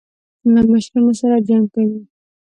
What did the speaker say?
له مشرانو سره جنګ کوي.